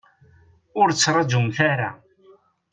Ur ttraǧumt ara.